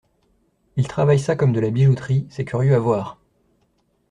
Il travaille ça comme de la bijouterie, c’est curieux à voir !